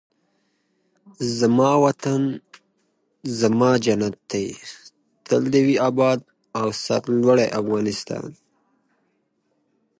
افغانستان په جلګه غني دی.